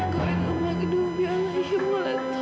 kau ingin umatku biarlahimulatuhu